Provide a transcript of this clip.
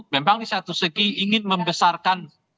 memang di satu segi ingin membesarkan